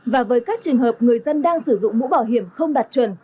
và với các trường hợp người dân đang sử dụng mũ bảo hiểm không đạt chuẩn